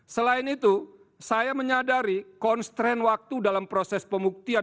selain itu saya menyadari konstrain waktu dalam proses pembuktian